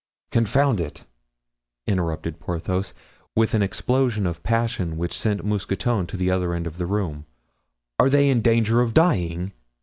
"Confound it," interrupted Porthos, with an explosion of passion which sent Mousqueton to the other end of the room; "are they in danger of dying?"